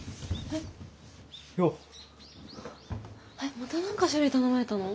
えっまた何か修理頼まれたの？